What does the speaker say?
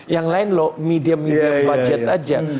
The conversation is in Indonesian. yang lain loh medium medium budget aja